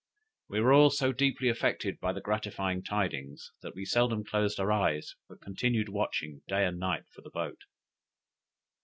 We were all so deeply affected by the gratifying tidings, that we seldom closed our eyes, but continued watching day and night for the boat.